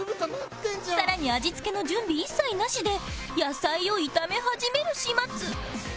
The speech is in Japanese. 更に味付けの準備一切なしで野菜を炒め始める始末